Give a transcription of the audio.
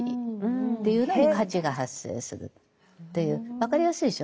分かりやすいでしょ。